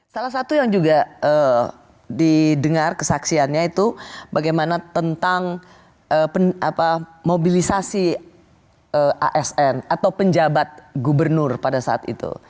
salah satu yang juga didengar kesaksiannya itu bagaimana tentang mobilisasi asn atau penjabat gubernur pada saat itu